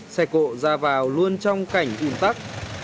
xe cộ ra vào luôn trong cảnh ụn tắc